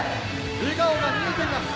笑顔が見えています。